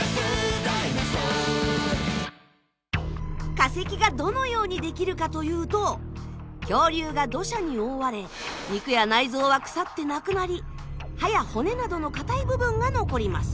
化石がどのようにできるかというと恐竜が土砂に覆われ肉や内臓は腐ってなくなり歯や骨などの硬い部分が残ります。